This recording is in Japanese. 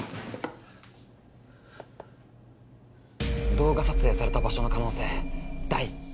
「動画撮影された場所の可能性大」。